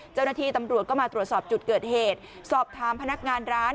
เจ้าหน้าที่ตำรวจก็มาตรวจสอบจุดเกิดเหตุสอบถามพนักงานร้าน